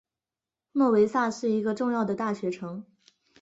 诺维萨是一个重要的大学城。